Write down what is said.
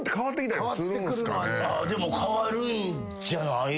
でも変わるんじゃない？